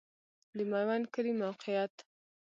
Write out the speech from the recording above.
د میوند کلی موقعیت